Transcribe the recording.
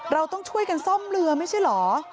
เราต้องช่วยกันซ่อมเรือไม่ใช่เหรอ